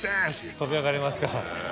跳び上がりますから。